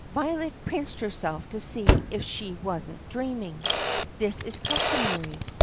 Violet pinched herself to see if she was n't dreaming. This is customary.